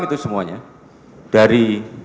itu semuanya dari